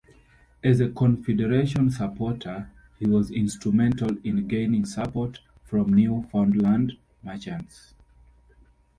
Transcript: As a confederation supporter, he was instrumental in gaining support from Newfoundland merchants.